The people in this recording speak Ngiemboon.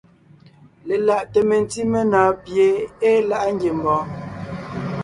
Lelaʼte mentí menɔ̀ɔn pie ée láʼa ngiembɔɔn.